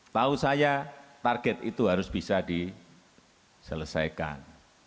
tahu saya target itu harus bisa diselesaikan